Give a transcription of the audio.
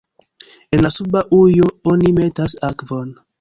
En la suba ujo oni metas akvon.